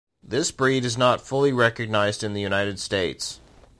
This breed is not fully recognized in the United States.